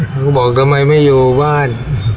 มันก็บอกทำไมไม่อยู่บ้าน